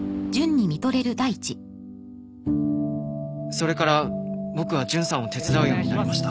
それから僕はジュンさんを手伝うようになりました。